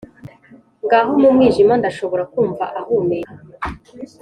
ngaho mu mwijima ndashobora kumva ahumeka,